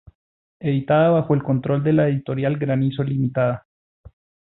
Editada bajo el control de la Editorial Granizo Ltda.